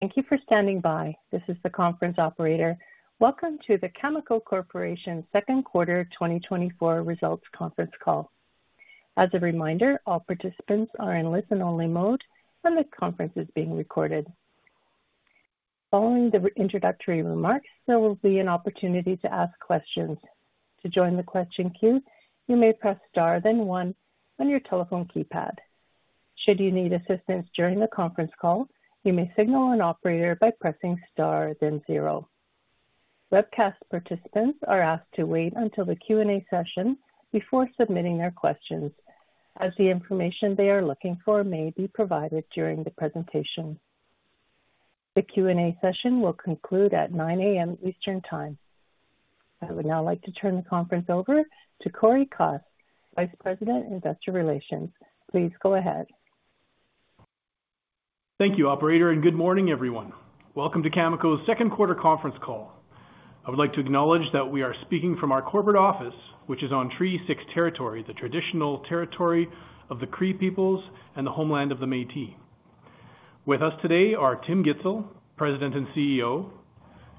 Thank you for standing by. This is the conference operator. Welcome to the Cameco Corporation Second Quarter 2024 Results Conference Call. As a reminder, all participants are in listen-only mode, and this conference is being recorded. Following the introductory remarks, there will be an opportunity to ask questions. To join the question queue, you may press Star, then one on your telephone keypad. Should you need assistance during the conference call, you may signal an operator by pressing Star, then zero. Webcast participants are asked to wait until the Q&A session before submitting their questions, as the information they are looking for may be provided during the presentation. The Q&A session will conclude at 9:00 A.M. Eastern Time. I would now like to turn the conference over to Cory Kos, Vice President, Investor Relations. Please go ahead. Thank you, operator, and good morning, everyone. Welcome to Cameco's second quarter conference call. I would like to acknowledge that we are speaking from our corporate office, which is on Treaty Six Territory, the traditional territory of the Cree peoples and the homeland of the Métis. With us today are Tim Gitzel, President and CEO,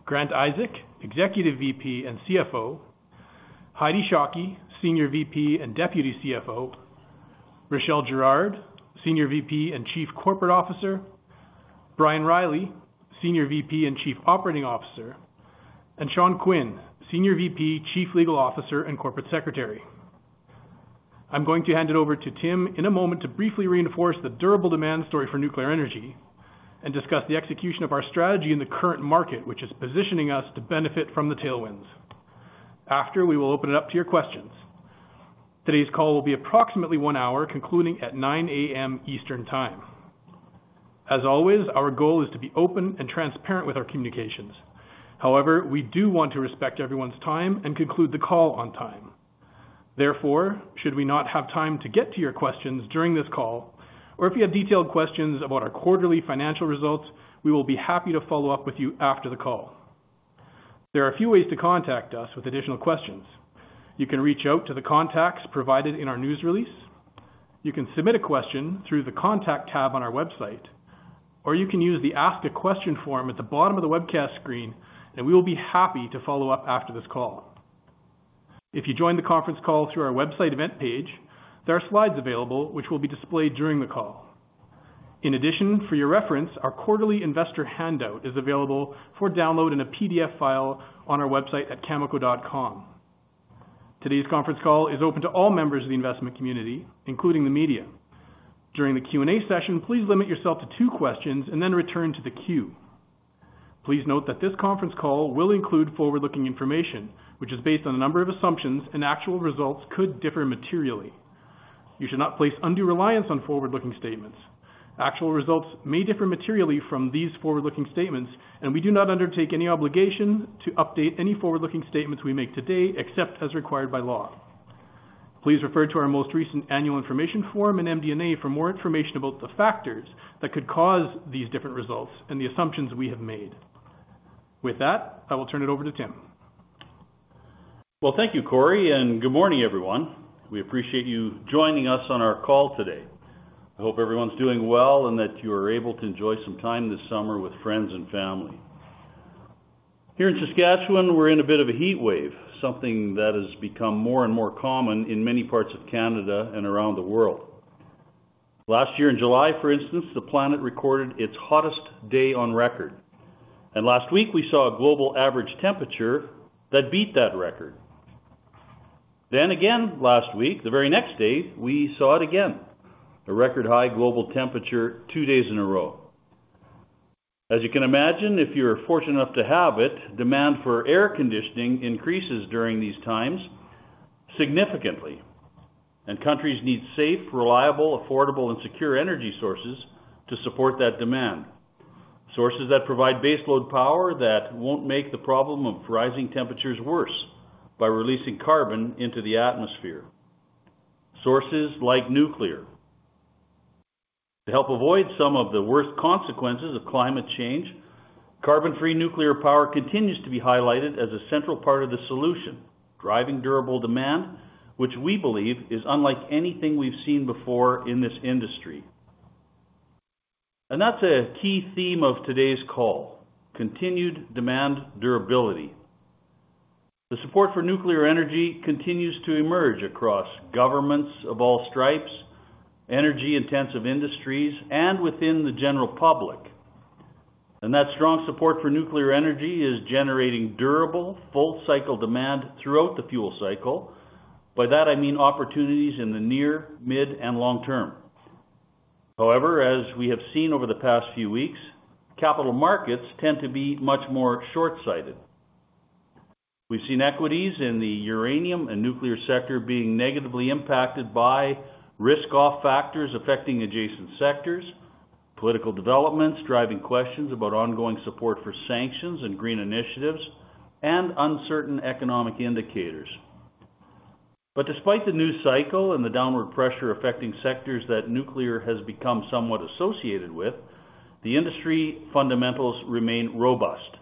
Grant Isaac, Executive VP and CFO, Heidi Shockey, Senior VP and Deputy CFO, Rachelle Girard, Senior VP and Chief Corporate Officer, Brian Reilly, Senior VP and Chief Operating Officer, and Sean Quinn, Senior VP, Chief Legal Officer, and Corporate Secretary. I'm going to hand it over to Tim in a moment to briefly reinforce the durable demand story for nuclear energy and discuss the execution of our strategy in the current market, which is positioning us to benefit from the tailwinds. After, we will open it up to your questions. Today's call will be approximately one hour, concluding at 9:00 A.M. Eastern Time. As always, our goal is to be open and transparent with our communications. However, we do want to respect everyone's time and conclude the call on time. Therefore, should we not have time to get to your questions during this call, or if you have detailed questions about our quarterly financial results, we will be happy to follow up with you after the call. There are a few ways to contact us with additional questions. You can reach out to the contacts provided in our news release, you can submit a question through the Contact tab on our website, or you can use the Ask a Question form at the bottom of the webcast screen, and we will be happy to follow up after this call. If you joined the conference call through our website event page, there are slides available which will be displayed during the call. In addition, for your reference, our quarterly investor handout is available for download in a PDF file on our website at cameco.com. Today's conference call is open to all members of the investment community, including the media. During the Q&A session, please limit yourself to two questions and then return to the queue. Please note that this conference call will include forward-looking information, which is based on a number of assumptions, and actual results could differ materially. You should not place undue reliance on forward-looking statements. Actual results may differ materially from these forward-looking statements, and we do not undertake any obligation to update any forward-looking statements we make today except as required by law. Please refer to our most recent Annual Information Form and MD&A for more information about the factors that could cause these different results and the assumptions we have made. With that, I will turn it over to Tim. Well, thank you, Cory, and good morning, everyone. We appreciate you joining us on our call today. I hope everyone's doing well and that you are able to enjoy some time this summer with friends and family. Here in Saskatchewan, we're in a bit of a heat wave, something that has become more and more common in many parts of Canada and around the world. Last year in July, for instance, the planet recorded its hottest day on record, and last week we saw a global average temperature that beat that record. Then again, last week, the very next day, we saw it again, a record high global temperature two days in a row. As you can imagine, if you're fortunate enough to have it, demand for air conditioning increases during these times significantly, and countries need safe, reliable, affordable, and secure energy sources to support that demand. Sources that provide baseload power that won't make the problem of rising temperatures worse by releasing carbon into the atmosphere. Sources like nuclear. To help avoid some of the worst consequences of climate change, carbon-free nuclear power continues to be highlighted as a central part of the solution, driving durable demand, which we believe is unlike anything we've seen before in this industry. And that's a key theme of today's call: continued demand durability. The support for nuclear energy continues to emerge across governments of all stripes, energy-intensive industries, and within the general public, and that strong support for nuclear energy is generating durable, full cycle demand throughout the fuel cycle. By that, I mean opportunities in the near, mid, and long term. However, as we have seen over the past few weeks, capital markets tend to be much more short-sighted. We've seen equities in the uranium and nuclear sector being negatively impacted by risk-off factors affecting adjacent sectors, political developments, driving questions about ongoing support for sanctions and green initiatives, and uncertain economic indicators. But despite the news cycle and the downward pressure affecting sectors that nuclear has become somewhat associated with, the industry fundamentals remain robust,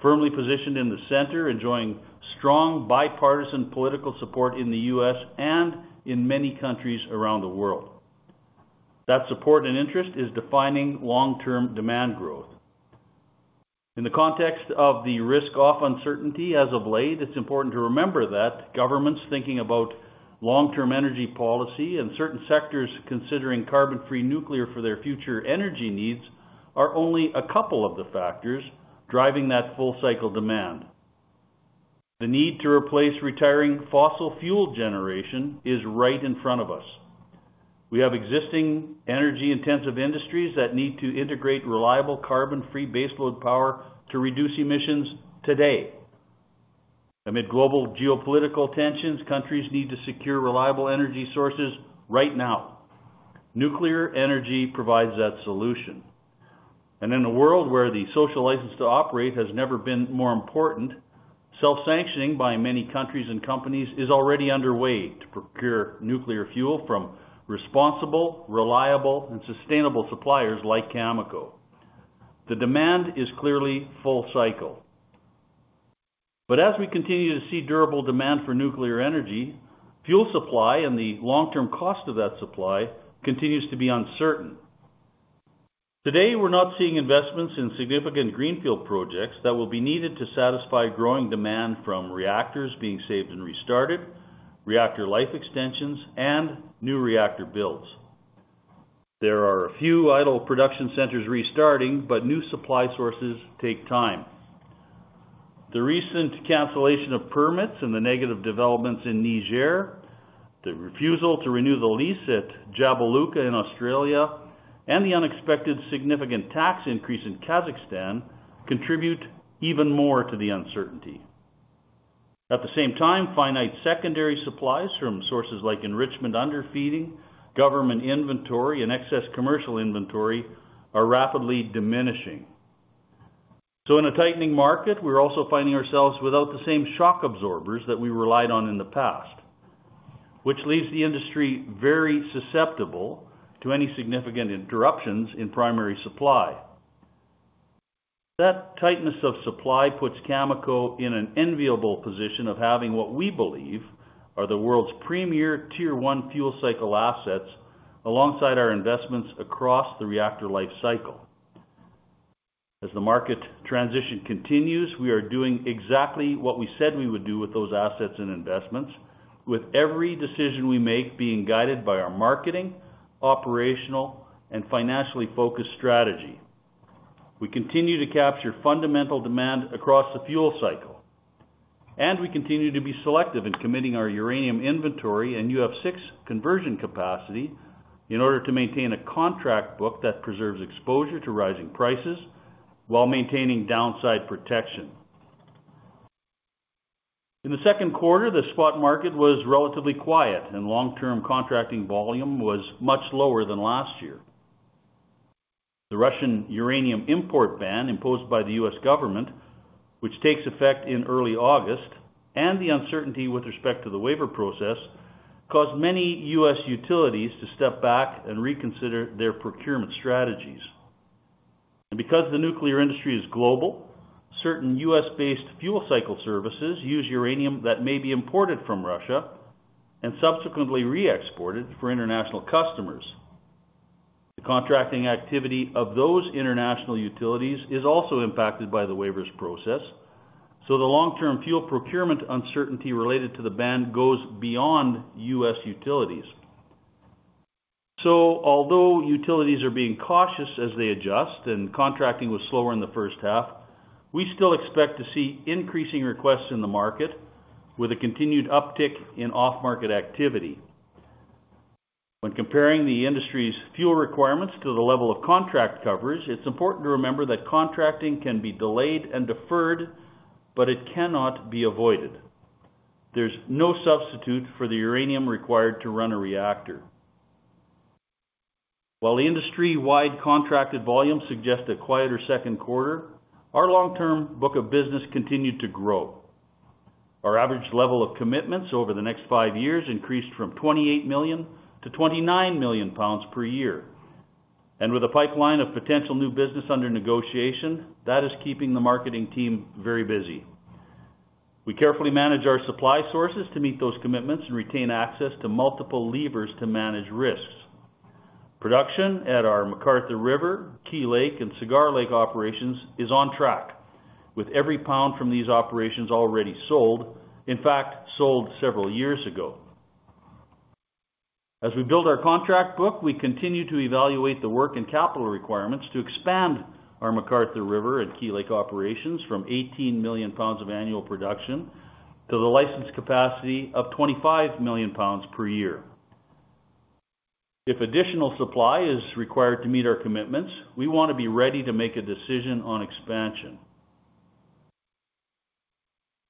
firmly positioned in the center, enjoying strong bipartisan political support in the U.S. and in many countries around the world. That support and interest is defining long-term demand growth. In the context of the risk-off uncertainty as of late, it's important to remember that governments thinking about long-term energy policy and certain sectors considering carbon-free nuclear for their future energy needs are only a couple of the factors driving that full cycle demand. The need to replace retiring fossil fuel generation is right in front of us. We have existing energy-intensive industries that need to integrate reliable, carbon-free baseload power to reduce emissions today. Amid global geopolitical tensions, countries need to secure reliable energy sources right now. Nuclear energy provides that solution, and in a world where the social license to operate has never been more important, self-sanctioning by many countries and companies is already underway to procure nuclear fuel from responsible, reliable, and sustainable suppliers like Cameco. The demand is clearly full cycle. But as we continue to see durable demand for nuclear energy, fuel supply and the long-term cost of that supply continues to be uncertain. Today, we're not seeing investments in significant greenfield projects that will be needed to satisfy growing demand from reactors being saved and restarted, reactor life extensions, and new reactor builds. There are a few idle production centers restarting, but new supply sources take time. The recent cancellation of permits and the negative developments in Niger, the refusal to renew the lease at Jabiluka in Australia, and the unexpected significant tax increase in Kazakhstan contribute even more to the uncertainty. At the same time, finite secondary supplies from sources like enrichment underfeeding, government inventory, and excess commercial inventory are rapidly diminishing. So in a tightening market, we're also finding ourselves without the same shock absorbers that we relied on in the past, which leaves the industry very susceptible to any significant interruptions in primary supply. That tightness of supply puts Cameco in an enviable position of having what we believe are the world's premier Tier One fuel cycle assets, alongside our investments across the reactor life cycle. As the market transition continues, we are doing exactly what we said we would do with those assets and investments, with every decision we make being guided by our marketing, operational, and financially focused strategy. We continue to capture fundamental demand across the fuel cycle, and we continue to be selective in committing our uranium inventory and UF6 conversion capacity in order to maintain a contract book that preserves exposure to rising prices while maintaining downside protection. In the second quarter, the spot market was relatively quiet and long-term contracting volume was much lower than last year. The Russian uranium import ban imposed by the U.S. government, which takes effect in early August, and the uncertainty with respect to the waiver process, caused many U.S. utilities to step back and reconsider their procurement strategies. Because the nuclear industry is global, certain U.S.-based fuel cycle services use uranium that may be imported from Russia and subsequently re-exported for international customers. The contracting activity of those international utilities is also impacted by the waivers process, so the long-term fuel procurement uncertainty related to the ban goes beyond U.S. utilities. Although utilities are being cautious as they adjust and contracting was slower in the first half, we still expect to see increasing requests in the market with a continued uptick in off-market activity. When comparing the industry's fuel requirements to the level of contract coverage, it's important to remember that contracting can be delayed and deferred, but it cannot be avoided. There's no substitute for the uranium required to run a reactor. While the industry-wide contracted volume suggests a quieter second quarter, our long-term book of business continued to grow. Our average level of commitments over the next five years increased from 28 million to 29 million pounds per year, and with a pipeline of potential new business under negotiation, that is keeping the marketing team very busy. We carefully manage our supply sources to meet those commitments and retain access to multiple levers to manage risks. Production at our McArthur River, Key Lake, and Cigar Lake operations is on track, with every pound from these operations already sold. In fact, sold several years ago. As we build our contract book, we continue to evaluate the work and capital requirements to expand our McArthur River and Key Lake operations from 18 million pounds of annual production to the licensed capacity of 25 million pounds per year. If additional supply is required to meet our commitments, we want to be ready to make a decision on expansion.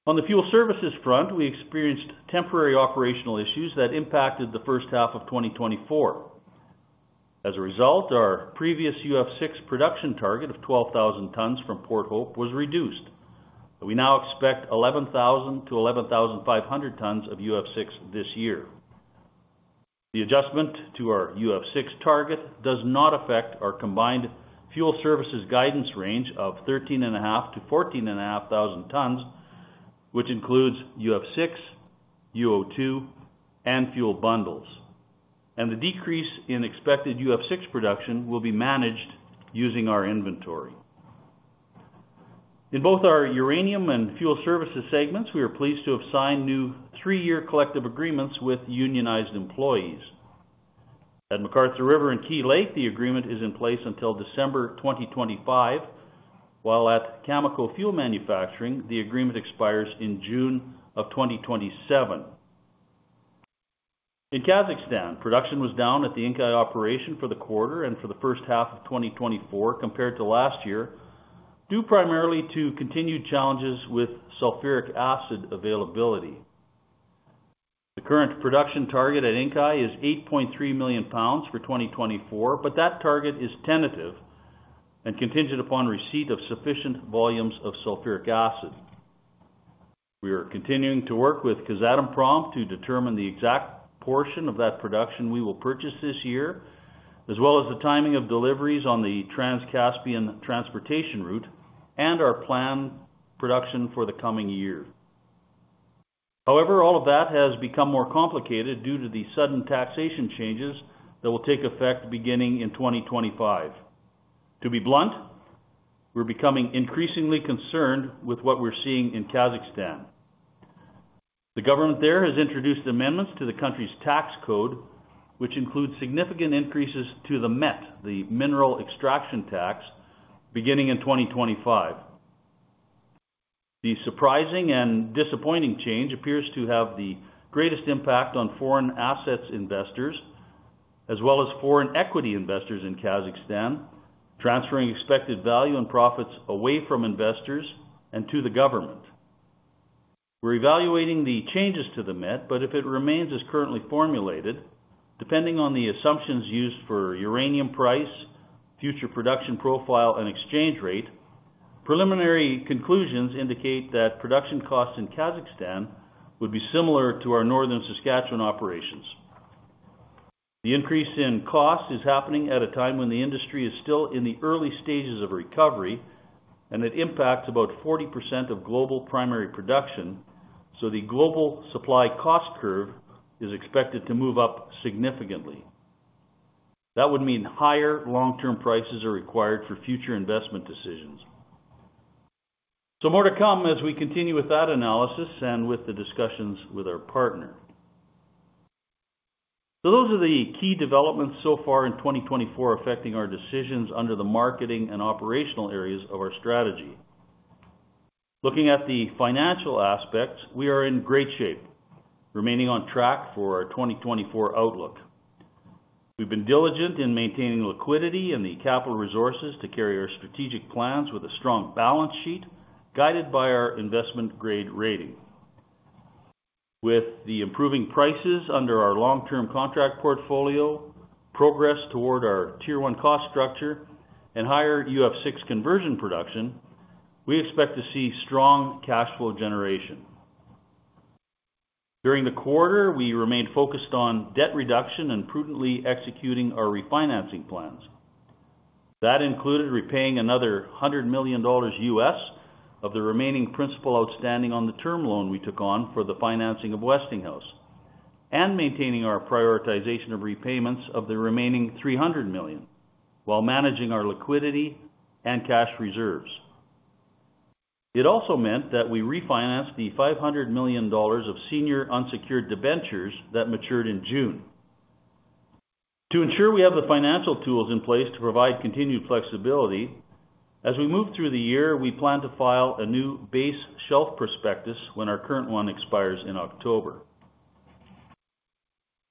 On the fuel services front, we experienced temporary operational issues that impacted the first half of 2024. As a result, our previous UF6 production target of 12,000 tons from Port Hope was reduced. We now expect 11,000-11,500 tons of UF6 this year.... The adjustment to our UF6 target does not affect our combined fuel services guidance range of 13,500-14,500 tons, which includes UF6, UO2, and fuel bundles. And the decrease in expected UF6 production will be managed using our inventory. In both our uranium and fuel services segments, we are pleased to have signed new three-year collective agreements with unionized employees. At McArthur River in Key Lake, the agreement is in place until December 2025, while at Chemical Fuel Manufacturing, the agreement expires in June of 2027. In Kazakhstan, production was down at the Inkai operation for the quarter and for the first half of 2024 compared to last year, due primarily to continued challenges with sulfuric acid availability. The current production target at Inkai is 8.3 million pounds for 2024, but that target is tentative and contingent upon receipt of sufficient volumes of sulfuric acid. We are continuing to work with Kazatomprom to determine the exact portion of that production we will purchase this year, as well as the timing of deliveries on the Trans-Caspian transportation route and our planned production for the coming year. However, all of that has become more complicated due to the sudden taxation changes that will take effect beginning in 2025. To be blunt, we're becoming increasingly concerned with what we're seeing in Kazakhstan. The government there has introduced amendments to the country's tax code, which includes significant increases to the MET, the Mineral Extraction Tax, beginning in 2025. The surprising and disappointing change appears to have the greatest impact on foreign assets investors, as well as foreign equity investors in Kazakhstan, transferring expected value and profits away from investors and to the government. We're evaluating the changes to the MET, but if it remains as currently formulated, depending on the assumptions used for uranium price, future production profile, and exchange rate, preliminary conclusions indicate that production costs in Kazakhstan would be similar to our Northern Saskatchewan operations. The increase in cost is happening at a time when the industry is still in the early stages of recovery, and it impacts about 40% of global primary production, so the global supply cost curve is expected to move up significantly. That would mean higher long-term prices are required for future investment decisions. So more to come as we continue with that analysis and with the discussions with our partner. So those are the key developments so far in 2024 affecting our decisions under the marketing and operational areas of our strategy. Looking at the financial aspects, we are in great shape, remaining on track for our 2024 outlook. We've been diligent in maintaining liquidity and the capital resources to carry our strategic plans with a strong balance sheet, guided by our Investment Grade Rating. With the improving prices under our long-term contract portfolio, progress toward our Tier One cost structure, and higher UF6 conversion production, we expect to see strong cash flow generation. During the quarter, we remained focused on debt reduction and prudently executing our refinancing plans. That included repaying another $100 million of the remaining principal outstanding on the term loan we took on for the financing of Westinghouse, and maintaining our prioritization of repayments of the remaining $300 million, while managing our liquidity and cash reserves. It also meant that we refinanced the $500 million of senior unsecured debentures that matured in June. To ensure we have the financial tools in place to provide continued flexibility, as we move through the year, we plan to file a new base shelf prospectus when our current one expires in October.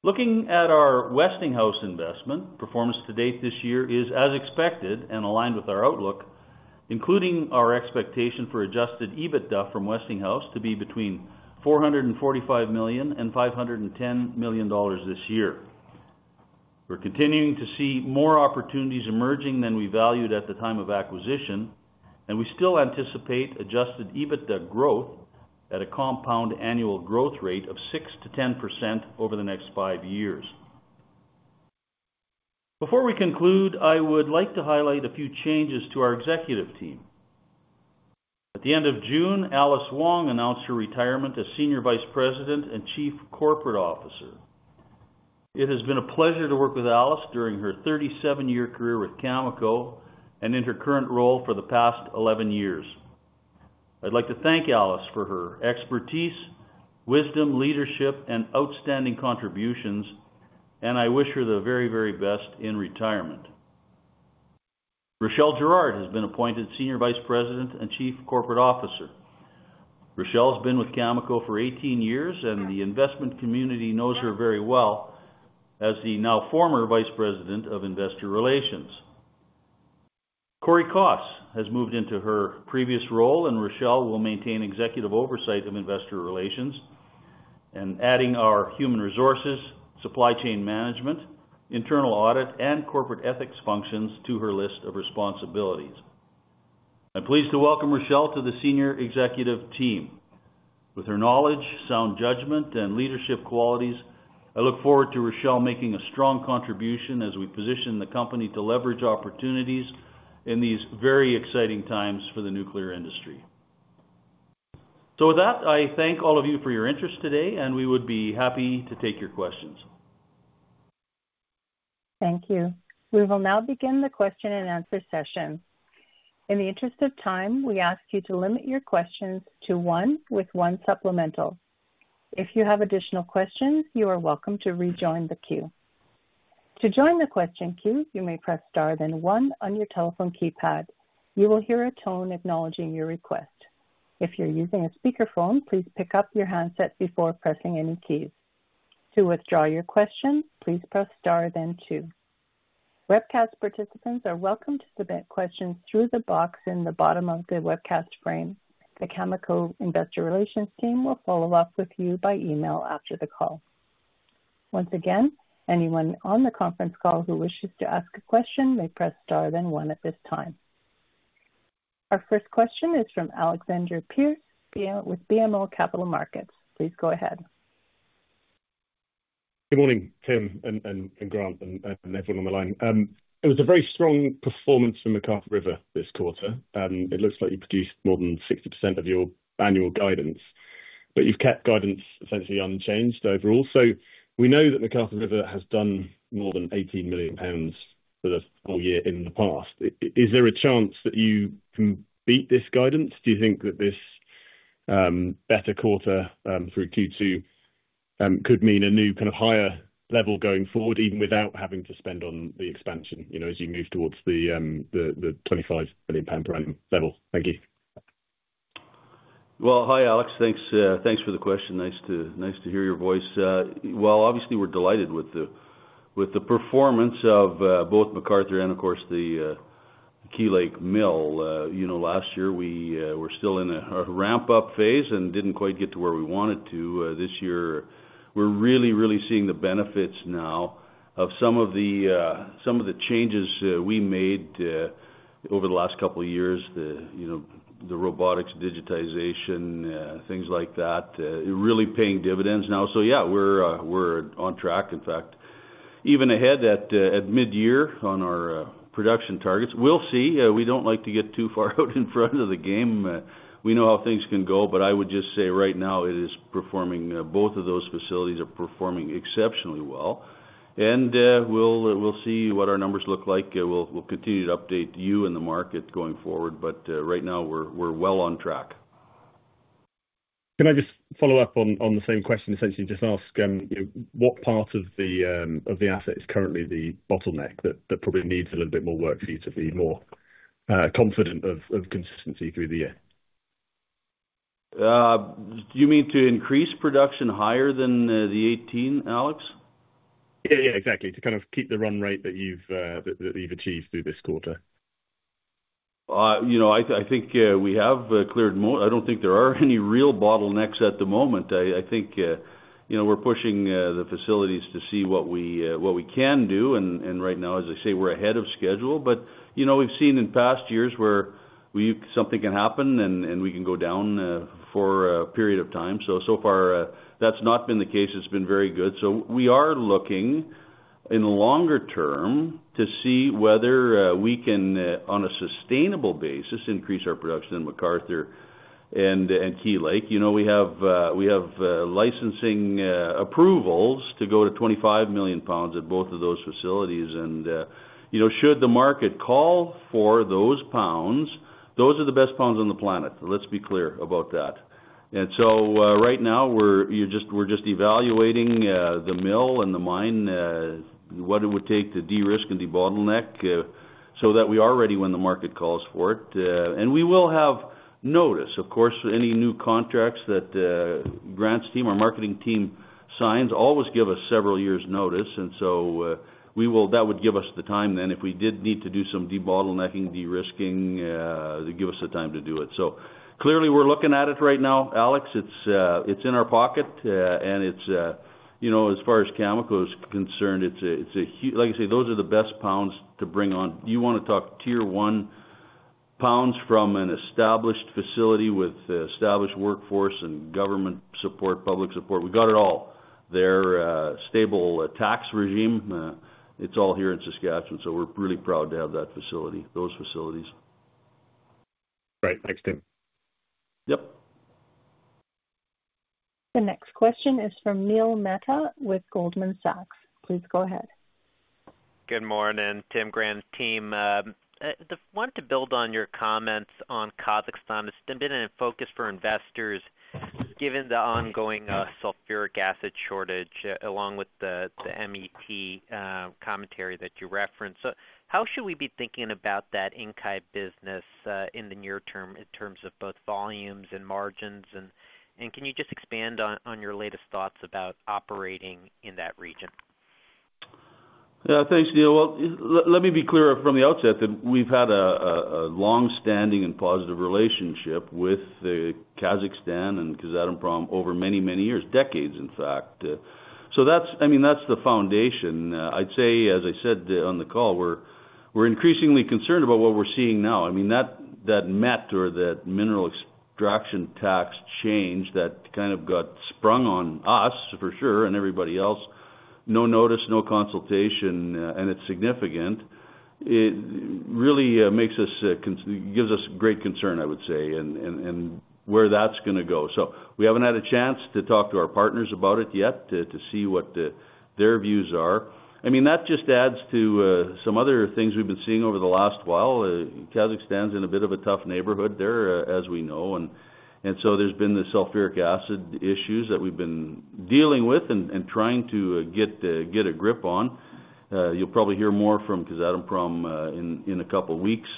Looking at our Westinghouse investment, performance to date this year is as expected and aligned with our outlook, including our expectation for adjusted EBITDA from Westinghouse to be between $445 million and $510 million this year. We're continuing to see more opportunities emerging than we valued at the time of acquisition, and we still anticipate adjusted EBITDA growth at a compound annual growth rate of 6%-10% over the next 5 years. Before we conclude, I would like to highlight a few changes to our executive team. At the end of June, Alice Wong announced her retirement as Senior Vice President and Chief Corporate Officer. It has been a pleasure to work with Alice during her 37-year career with Cameco, and in her current role for the past 11 years. I'd like to thank Alice for her expertise, wisdom, leadership, and outstanding contributions, and I wish her the very, very best in retirement. Rachelle Girard has been appointed Senior Vice President and Chief Corporate Officer. Rachelle has been with Cameco for 18 years, and the investment community knows her very well as the now former Vice President of Investor Relations. Cory Kos has moved into her previous role, and Rachelle will maintain executive oversight of investor relations and adding our human resources, supply chain management, internal audit, and corporate ethics functions to her list of responsibilities.... I'm pleased to welcome Rachelle to the senior executive team. With her knowledge, sound judgment, and leadership qualities, I look forward to Rachelle making a strong contribution as we position the company to leverage opportunities in these very exciting times for the nuclear industry. So with that, I thank all of you for your interest today, and we would be happy to take your questions. Thank you. We will now begin the question-and-answer session. In the interest of time, we ask you to limit your questions to one with one supplemental. If you have additional questions, you are welcome to rejoin the queue. To join the question queue, you may press Star, then one on your telephone keypad. You will hear a tone acknowledging your request. If you're using a speakerphone, please pick up your handset before pressing any keys. To withdraw your question, please press Star then two. Webcast participants are welcome to submit questions through the box in the bottom of the webcast frame. The Cameco investor relations team will follow up with you by email after the call. Once again, anyone on the conference call who wishes to ask a question may press Star then one at this time. Our first question is from Alexander Pearce, BMO with BMO Capital Markets. Please go ahead. Good morning, Tim and Grant, and everyone on the line. It was a very strong performance from McArthur River this quarter. It looks like you produced more than 60% of your annual guidance, but you've kept guidance essentially unchanged overall. So we know that McArthur River has done more than 18 million pounds for the whole year in the past. Is there a chance that you can beat this guidance? Do you think that this better quarter through Q2 could mean a new kind of higher level going forward, even without having to spend on the expansion, you know, as you move towards the 25 million pound per annum level? Thank you. Well, hi, Alex. Thanks, thanks for the question. Nice to, nice to hear your voice. Well, obviously, we're delighted with the, with the performance of, both McArthur and of course, the, Key Lake Mill. You know, last year, we, were still in a, our ramp-up phase and didn't quite get to where we wanted to. This year, we're really, really seeing the benefits now of some of the, some of the changes, we made, over the last couple of years. The, you know, the robotics, digitization, things like that, are really paying dividends now. So yeah, we're, we're on track, in fact, even ahead at, at midyear on our, production targets. We'll see. We don't like to get too far out in front of the game. We know how things can go, but I would just say right now, it is performing, both of those facilities are performing exceptionally well, and we'll see what our numbers look like. We'll continue to update you and the market going forward, but right now, we're well on track. Can I just follow up on the same question, essentially, just ask, you know, what part of the asset is currently the bottleneck that probably needs a little bit more work for you to be more confident of consistency through the year? Do you mean to increase production higher than the 18, Alex? Yeah, yeah, exactly. To kind of keep the run rate that you've achieved through this quarter. You know, I think we have cleared. I don't think there are any real bottlenecks at the moment. I think you know, we're pushing the facilities to see what we what we can do, and right now, as I say, we're ahead of schedule. But you know, we've seen in past years where we've something can happen, and we can go down for a period of time. So so far, that's not been the case. It's been very good. So we are looking in the longer term to see whether we can on a sustainable basis, increase our production in McArthur and Key Lake. You know, we have we have licensing approvals to go to 25 million pounds at both of those facilities. You know, should the market call for those pounds, those are the best pounds on the planet. Let's be clear about that. And so, right now, we're just evaluating the mill and the mine, what it would take to de-risk and debottleneck, so that we are ready when the market calls for it. And we will have notice. Of course, any new contracts that Grant's team, our marketing team, signs always give us several years' notice, and so, we will... That would give us the time then, if we did need to do some debottlenecking, de-risking, to give us the time to do it. So clearly, we're looking at it right now, Alex. It's in our pocket, and it's, you know, as far as Cameco is concerned, it's a, it's a like I said, those are the best pounds to bring on. You want to talk Tier One pounds from an established facility with established workforce and government support, public support. We got it all. They're stable tax regime, it's all here in Saskatchewan, so we're really proud to have that facility, those facilities. Great. Thanks, Tim. Yep. The next question is from Neil Mehta with Goldman Sachs. Please go ahead. Good morning, Tim, Grant, team. Just wanted to build on your comments on Kazakhstan. It's been a focus for investors, given the ongoing sulfuric acid shortage, along with the MET commentary that you referenced. So how should we be thinking about that Inkai business in the near term in terms of both volumes and margins? And can you just expand on your latest thoughts about operating in that region?... Yeah, thanks, Neil. Well, let me be clear from the outset that we've had a long-standing and positive relationship with the Kazakhstan and Kazatomprom over many years, decades, in fact. So that's, I mean, that's the foundation. I'd say, as I said on the call, we're increasingly concerned about what we're seeing now. I mean, that MET or that mineral extraction tax change that kind of got sprung on us, for sure, and everybody else, no notice, no consultation, and it's significant. It really makes us gives us great concern, I would say, and where that's gonna go. So we haven't had a chance to talk to our partners about it yet, to see what their views are. I mean, that just adds to some other things we've been seeing over the last while. Kazakhstan's in a bit of a tough neighborhood there, as we know, and so there's been the sulfuric acid issues that we've been dealing with and trying to get a grip on. You'll probably hear more from Kazatomprom in a couple of weeks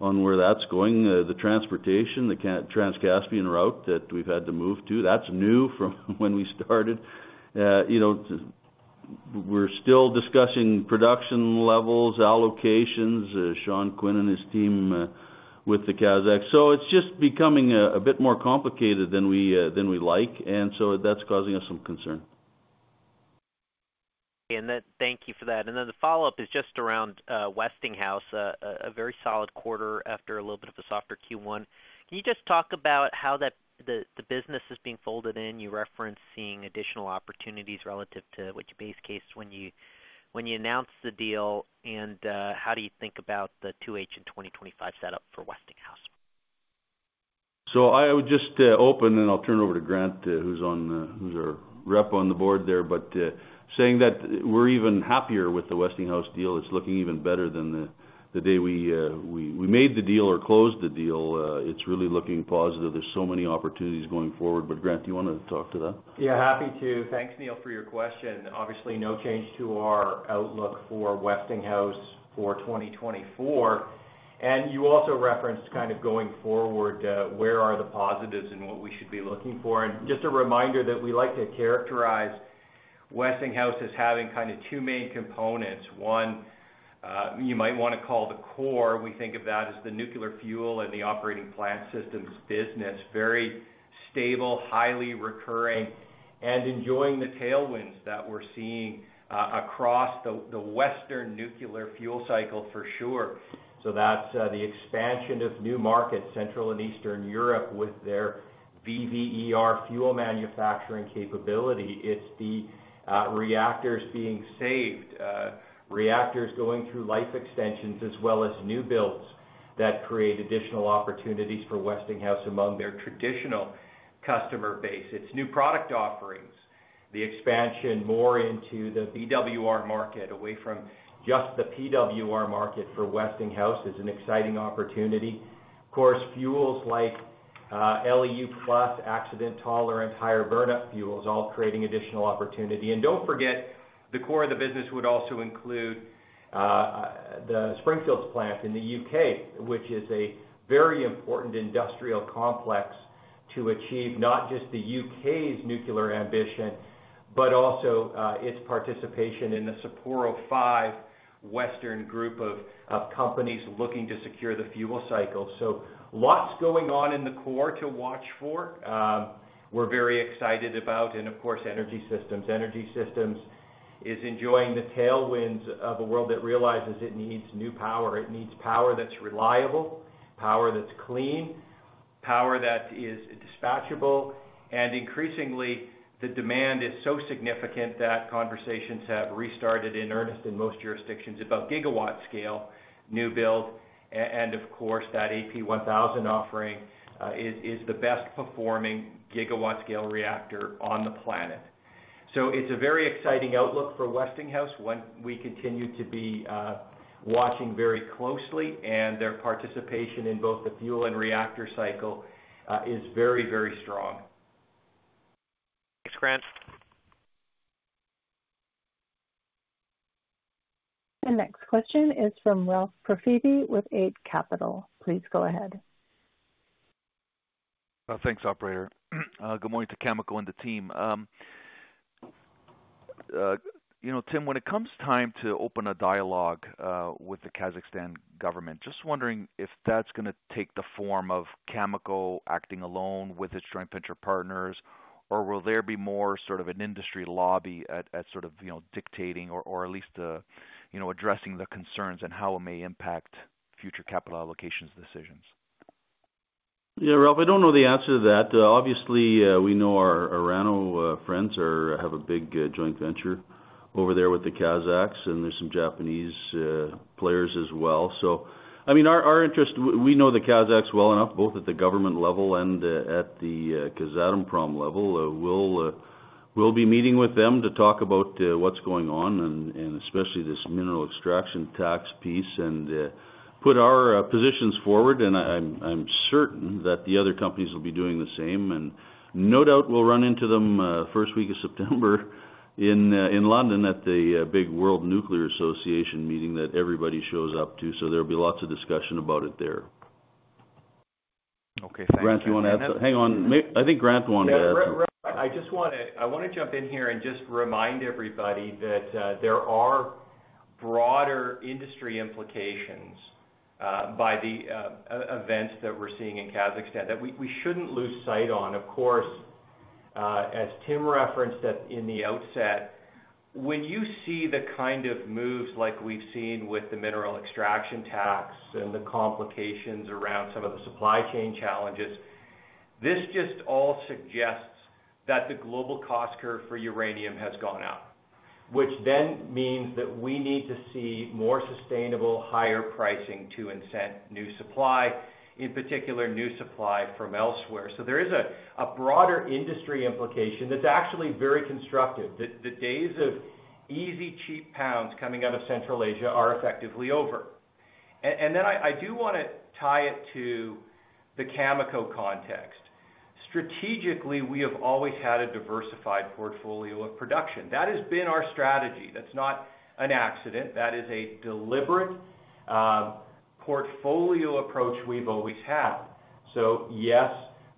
on where that's going. The transportation, the Trans-Caspian route that we've had to move to, that's new from when we started. You know, we're still discussing production levels, allocations, Sean Quinn and his team, with the Kazakh. So it's just becoming a bit more complicated than we like, and so that's causing us some concern. That—thank you for that. Then the follow-up is just around Westinghouse, a very solid quarter after a little bit of a softer Q1. Can you just talk about how the business is being folded in? You referenced seeing additional opportunities relative to what your base case when you announced the deal, and how do you think about the 2H in 2025 setup for Westinghouse? So I would just open, and I'll turn it over to Grant, who's on, who's our rep on the board there. But saying that we're even happier with the Westinghouse deal, it's looking even better than the day we made the deal or closed the deal. It's really looking positive. There's so many opportunities going forward. But Grant, do you wanna talk to that? Yeah, happy to. Thanks, Neil, for your question. Obviously, no change to our outlook for Westinghouse for 2024. And you also referenced kind of going forward, where are the positives and what we should be looking for. And just a reminder that we like to characterize Westinghouse as having kind of two main components. One, you might wanna call the core. We think of that as the nuclear fuel and the operating plant systems business. Very stable, highly recurring, and enjoying the tailwinds that we're seeing across the western nuclear fuel cycle, for sure. So that's the expansion of new markets, Central and Eastern Europe, with their VVER fuel manufacturing capability. It's the reactors being saved, reactors going through life extensions, as well as new builds that create additional opportunities for Westinghouse among their traditional customer base. It's new product offerings, the expansion more into the BWR market, away from just the PWR market for Westinghouse is an exciting opportunity. Of course, fuels like LEU+, accident tolerant, higher burnout fuels, all creating additional opportunity. And don't forget, the core of the business would also include the Springfields plant in the UK, which is a very important industrial complex to achieve not just the UK's nuclear ambition, but also its participation in the Sapporo 5 Western group of companies looking to secure the fuel cycle. So lots going on in the core to watch for, we're very excited about, and of course, energy systems. Energy systems is enjoying the tailwinds of a world that realizes it needs new power. It needs power that's reliable, power that's clean, power that is dispatchable. And increasingly, the demand is so significant that conversations have restarted in earnest in most jurisdictions about gigawatt scale, new build, and of course, that AP1000 offering is the best performing gigawatt scale reactor on the planet. So it's a very exciting outlook for Westinghouse. One, we continue to be watching very closely, and their participation in both the fuel and reactor cycle is very, very strong. Thanks, Grant. The next question is from Ralph Profiti with Eight Capital. Please go ahead. Thanks, operator. Good morning to Cameco and the team. You know, Tim, when it comes time to open a dialogue with the Kazakhstan government, just wondering if that's gonna take the form of Cameco acting alone with its joint venture partners, or will there be more sort of an industry lobby at sort of, you know, dictating or at least, you know, addressing the concerns and how it may impact future capital allocations decisions? Yeah, Ralph, I don't know the answer to that. Obviously, we know our Orano friends are have a big joint venture over there with the Kazakhs, and there's some Japanese players as well. So, I mean, our interest, we know the Kazakhs well enough, both at the government level and at the Kazatomprom level. We'll be meeting with them to talk about what's going on and especially this Mineral Extraction Tax piece, and put our positions forward, and I'm certain that the other companies will be doing the same. And no doubt we'll run into them first week of September in London at the big World Nuclear Association meeting that everybody shows up to, so there'll be lots of discussion about it there.... Okay, thanks. Grant, you want to add? Hang on. I think Grant wanted to add something. Yeah, I just want to, I want to jump in here and just remind everybody that there are broader industry implications by the events that we're seeing in Kazakhstan that we shouldn't lose sight on. Of course, as Tim referenced that in the outset, when you see the kind of moves like we've seen with the mineral extraction tax and the complications around some of the supply chain challenges, this just all suggests that the global cost curve for uranium has gone up, which then means that we need to see more sustainable, higher pricing to incent new supply, in particular, new supply from elsewhere. So there is a broader industry implication that's actually very constructive, that the days of easy, cheap pounds coming out of Central Asia are effectively over. And then I do want to tie it to the Cameco context. Strategically, we have always had a diversified portfolio of production. That has been our strategy. That's not an accident. That is a deliberate portfolio approach we've always had. So yes,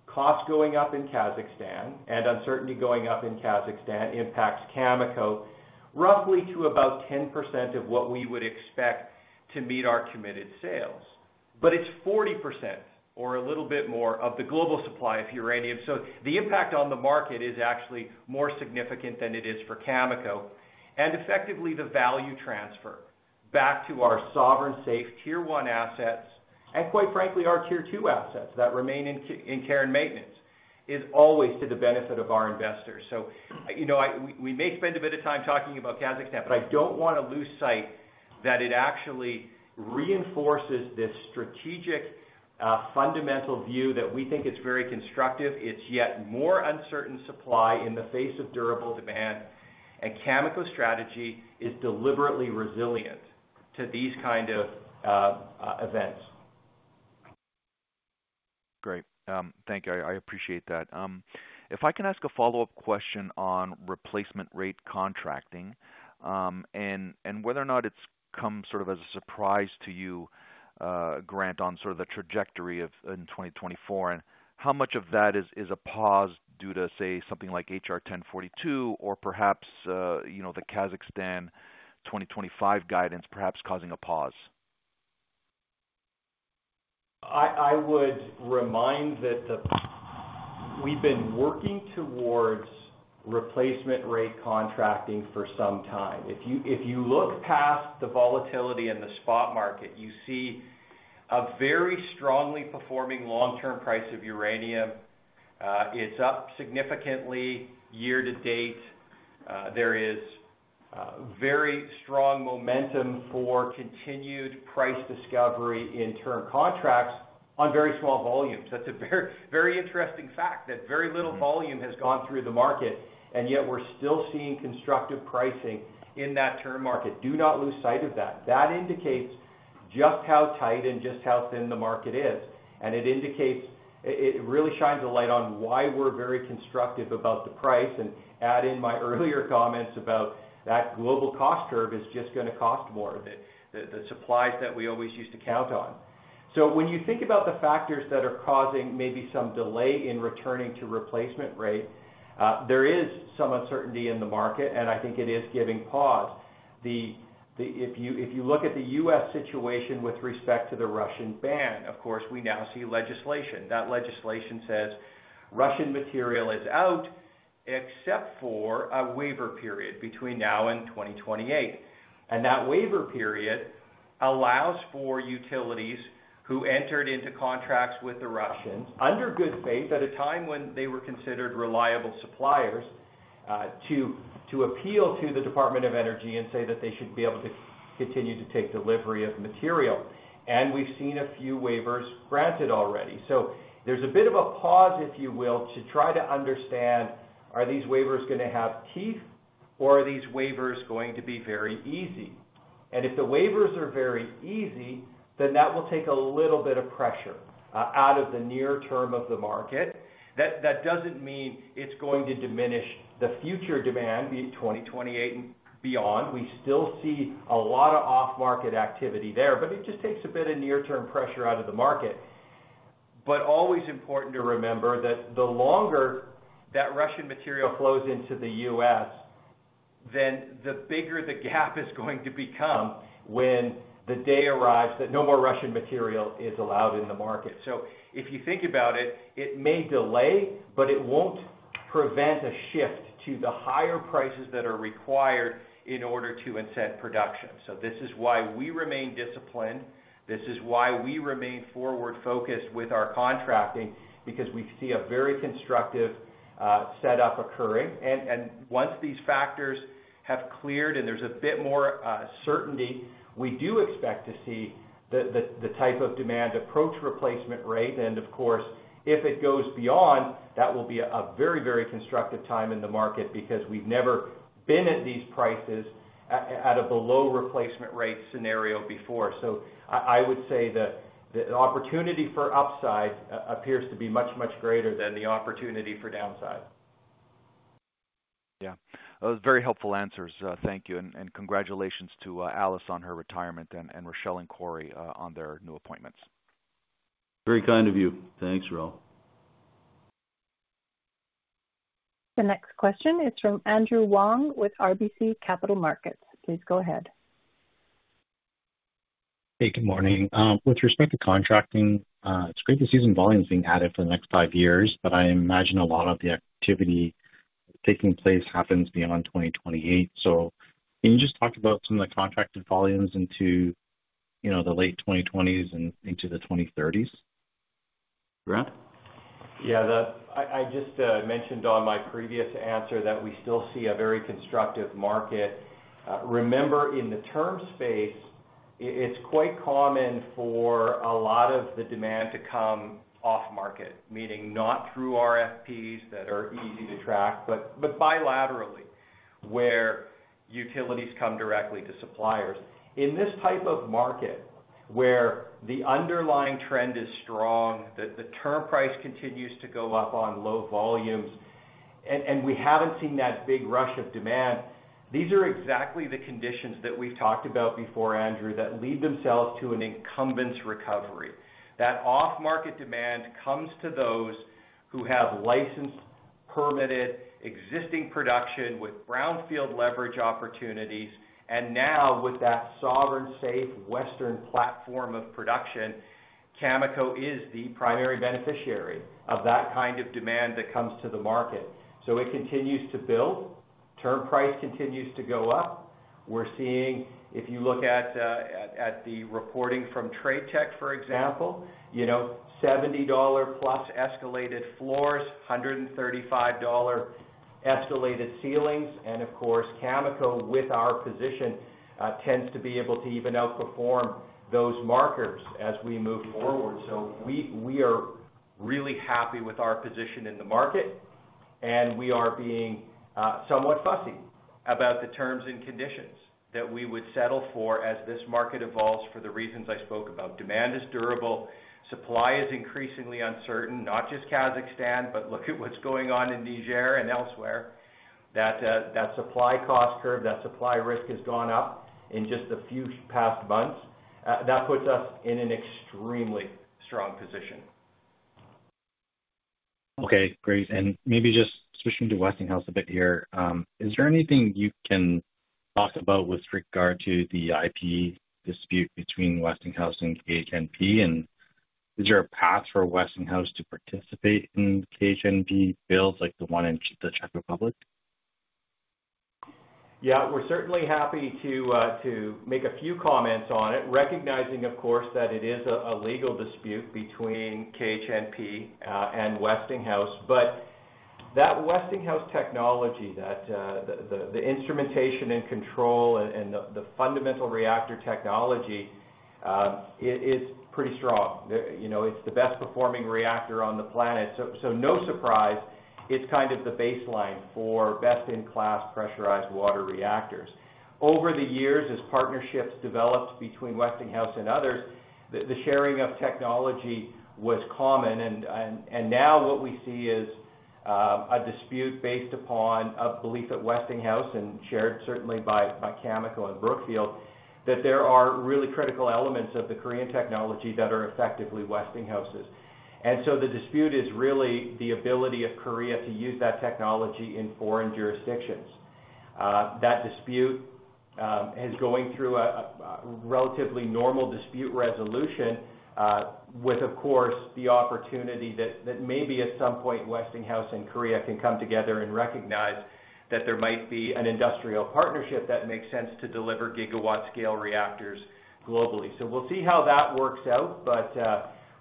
costs going up in Kazakhstan and uncertainty going up in Kazakhstan impacts Cameco roughly to about 10% of what we would expect to meet our committed sales. But it's 40% or a little bit more of the global supply of uranium. So the impact on the market is actually more significant than it is for Cameco. And effectively, the value transfer back to our sovereign safe Tier One assets, and quite frankly, our Tier Two assets that remain in care and maintenance, is always to the benefit of our investors. So, you know, we may spend a bit of time talking about Kazakhstan, but I don't want to lose sight that it actually reinforces this strategic, fundamental view that we think it's very constructive. It's yet more uncertain supply in the face of durable demand, and Cameco's strategy is deliberately resilient to these kind of events. Great. Thank you. I appreciate that. If I can ask a follow-up question on replacement rate contracting, and whether or not it's come sort of as a surprise to you, Grant, on sort of the trajectory of in 2024, and how much of that is a pause due to, say, something like H.R. 1042 or perhaps, you know, the Kazakhstan 2025 guidance perhaps causing a pause? I would remind that we've been working towards replacement rate contracting for some time. If you look past the volatility in the spot market, you see a very strongly performing long-term price of uranium. It's up significantly year to date. There is very strong momentum for continued price discovery in term contracts on very small volumes. That's a very, very interesting fact, that very little volume has gone through the market, and yet we're still seeing constructive pricing in that term market. Do not lose sight of that. That indicates just how tight and just how thin the market is, and it indicates it really shines a light on why we're very constructive about the price, and add in my earlier comments about that global cost curve is just going to cost more, the supplies that we always used to count on. So when you think about the factors that are causing maybe some delay in returning to replacement rate, there is some uncertainty in the market, and I think it is giving pause. If you look at the U.S. situation with respect to the Russian ban, of course, we now see legislation. That legislation says Russian material is out, except for a waiver period between now and 2028. That waiver period allows for utilities who entered into contracts with the Russians, under good faith at a time when they were considered reliable suppliers, to appeal to the Department of Energy and say that they should be able to continue to take delivery of material. We've seen a few waivers granted already. There's a bit of a pause, if you will, to try to understand, are these waivers going to have teeth or are these waivers going to be very easy? If the waivers are very easy, then that will take a little bit of pressure out of the near term of the market. That doesn't mean it's going to diminish the future demand, be it 2028 and beyond. We still see a lot of off-market activity there, but it just takes a bit of near-term pressure out of the market. But always important to remember that the longer that Russian material flows into the U.S., then the bigger the gap is going to become when the day arrives that no more Russian material is allowed in the market. So if you think about it, it may delay, but it won't prevent a shift to the higher prices that are required in order to incent production. So this is why we remain disciplined. This is why we remain forward-focused with our contracting, because we see a very constructive setup occurring. And once these factors have cleared and there's a bit more certainty, we do expect to see the type of demand approach replacement rate. And of course, if it goes beyond, that will be a very, very constructive time in the market because we've never been at these prices at a below replacement rate scenario before. So I, I would say that the opportunity for upside appears to be much, much greater than the opportunity for downside.... Yeah, those very helpful answers. Thank you, and congratulations to Alice on her retirement and Rachelle and Cory on their new appointments. Very kind of you. Thanks, Raul. The next question is from Andrew Wong with RBC Capital Markets. Please go ahead. Hey, good morning. With respect to contracting, it's great to see some volumes being added for the next five years, but I imagine a lot of the activity taking place happens beyond 2028. So can you just talk about some of the contracted volumes into, you know, the late 2020s and into the 2030s? Grant? Yeah, I just mentioned on my previous answer that we still see a very constructive market. Remember, in the term space, it's quite common for a lot of the demand to come off market, meaning not through RFPs that are easy to track, but bilaterally, where utilities come directly to suppliers. In this type of market, where the underlying trend is strong, the term price continues to go up on low volumes, and we haven't seen that big rush of demand, these are exactly the conditions that we've talked about before, Andrew, that lead themselves to an incumbents recovery. That off-market demand comes to those who have licensed, permitted existing production with brownfield leverage opportunities. And now, with that sovereign, safe, Western platform of production, Cameco is the primary beneficiary of that kind of demand that comes to the market. So it continues to build, term price continues to go up. We're seeing, if you look at the reporting from TradeTech, for example, you know, $70+ escalated floors, $135 escalated ceilings. And of course, Cameco, with our position, tends to be able to even outperform those markers as we move forward. So we are really happy with our position in the market, and we are being somewhat fussy about the terms and conditions that we would settle for as this market evolves for the reasons I spoke about. Demand is durable, supply is increasingly uncertain, not just Kazakhstan, but look at what's going on in Niger and elsewhere. That supply cost curve, that supply risk has gone up in just a few past months. That puts us in an extremely strong position. Okay, great. And maybe just switching to Westinghouse a bit here. Is there anything you can talk about with regard to the IP dispute between Westinghouse and KHNP? And is there a path for Westinghouse to participate in KHNP builds, like the one in the Czech Republic? Yeah. We're certainly happy to make a few comments on it, recognizing, of course, that it is a legal dispute between KHNP and Westinghouse. But that Westinghouse technology, that the instrumentation and control and the fundamental reactor technology, it is pretty strong. You know, it's the best performing reactor on the planet, so no surprise, it's kind of the baseline for best-in-class pressurized water reactors. Over the years, as partnerships developed between Westinghouse and others, the sharing of technology was common, and now what we see is a dispute based upon a belief at Westinghouse and shared certainly by Cameco and Brookfield, that there are really critical elements of the Korean technology that are effectively Westinghouse's. And so the dispute is really the ability of Korea to use that technology in foreign jurisdictions. That dispute is going through a relatively normal dispute resolution, with, of course, the opportunity that maybe at some point, Westinghouse and Korea can come together and recognize that there might be an industrial partnership that makes sense to deliver gigawatt-scale reactors globally. So we'll see how that works out, but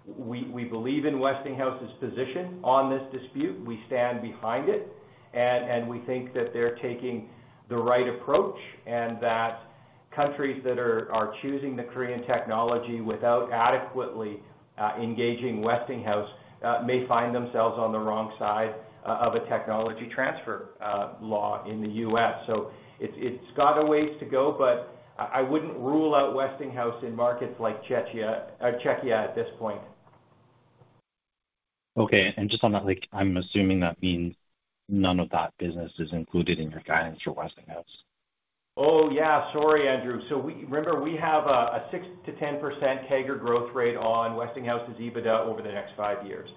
we believe in Westinghouse's position on this dispute. We stand behind it, and we think that they're taking the right approach, and that countries that are choosing the Korean technology without adequately engaging Westinghouse may find themselves on the wrong side of a technology transfer law in the U.S. So it's got a ways to go, but I wouldn't rule out Westinghouse in markets like Czechia, Czechia at this point. Okay. And just on that, like, I'm assuming that means none of that business is included in your guidance for Westinghouse? Oh, yeah, sorry, Andrew. So we remember, we have a 6%-10% CAGR growth rate on Westinghouse's EBITDA over the next 5 years.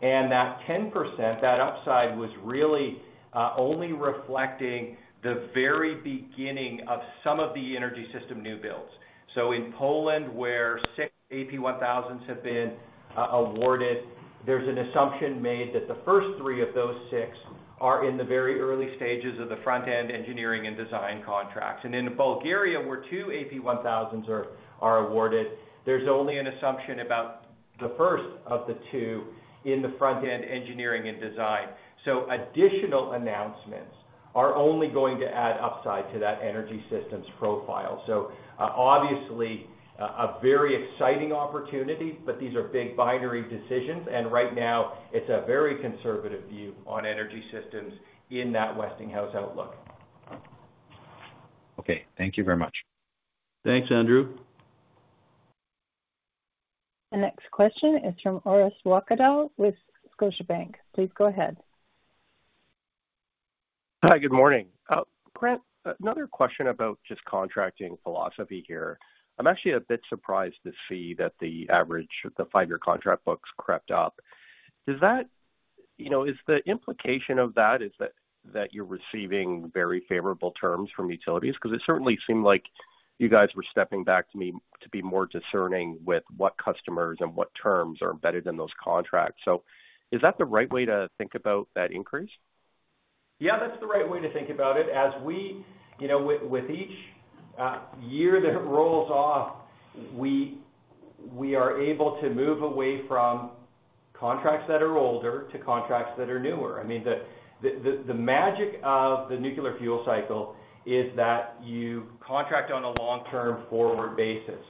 And that 10%, that upside was really only reflecting the very beginning of some of the energy system new builds. So in Poland, where 6 AP1000s have been awarded, there's an assumption made that the first 3 of those 6 are in the very early stages of the front-end engineering and design contracts. And in Bulgaria, where 2 AP1000s are awarded, there's only an assumption about the first of the 2 in the front-end engineering and design. So additional announcements are only going to add upside to that energy systems profile. So, obviously, a very exciting opportunity, but these are big binary decisions, and right now, it's a very conservative view on energy systems in that Westinghouse outlook. Okay. Thank you very much. Thanks, Andrew. The next question is from Orest Wowkodaw with Scotiabank. Please go ahead. Hi, good morning. Grant, another question about just contracting philosophy here. I'm actually a bit surprised to see that the average of the five-year contract books crept up. Does that... You know, is the implication of that is that, that you're receiving very favorable terms from utilities? Because it certainly seemed like you guys were stepping back to me, to be more discerning with what customers and what terms are embedded in those contracts. So is that the right way to think about that increase? Yeah, that's the right way to think about it. As we, you know, with, with each year that rolls off, we, we are able to move away from contracts that are older to contracts that are newer. I mean, the, the, the magic of the nuclear fuel cycle is that you contract on a long-term forward basis.